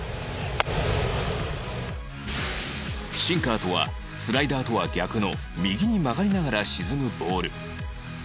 シンカーとはスライダーとは逆の右に曲がりながら沈むボール